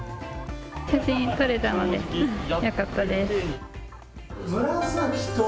写真、撮れたのでよかったです。